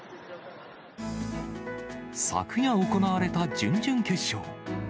昨夜行われた準々決勝。